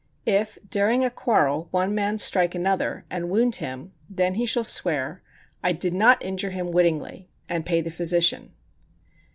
If during a quarrel one man strike another and wound him, then he shall swear, "I did not injure him wittingly," and pay the physician.